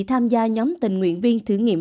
tham gia nhóm tình nguyện viên thử nghiệm